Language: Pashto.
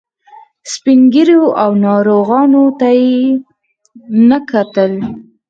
سپین ږیرو او ناروغانو ته یې نه کتل.